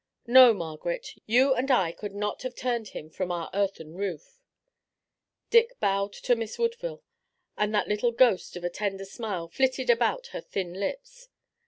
"No, Margaret, you and I could not have turned him from our earthen roof." Dick bowed to Miss Woodville, and that little ghost of a tender smile flitted about her thin lips.